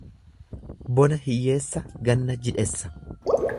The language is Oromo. Bona hiyyeessa ganna jidhessa.